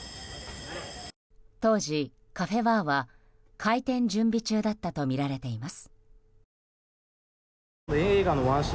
当時、カフェバーは開店準備中だったとみられています。